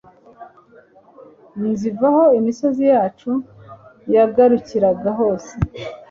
nzivaho imisozi yacu yagarukiraga hose